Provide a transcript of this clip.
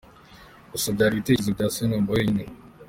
Gusa byari ibitekerezo bya Seromba wenyine.